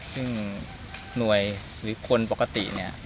ซึ่งหน่วยหรือคนปกติ